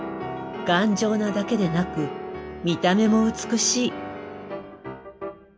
頑丈なだけでなく見た目も美しい。